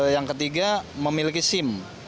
yang ketiga memiliki sim